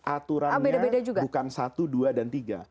aturannya bukan satu dua dan tiga